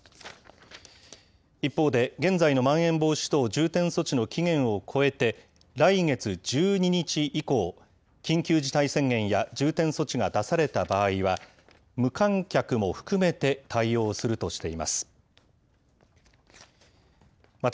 一方で現在のまん延防止等重点措置の期限を越えて、来月１２日以降、緊急事態宣言や重点措置が出された場合は、無観客も含めて対応するとしています。